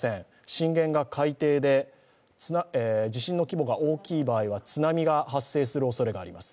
震源が海底で地震の規模が大きい場合は津波が発生するおそれがあります。